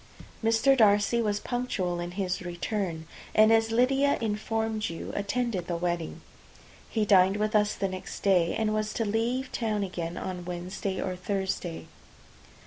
Mr. Darcy was punctual in his return, and, as Lydia imformed you, attended the wedding. He dined with us the next day, and was to leave town again on Wednesday or Thursday.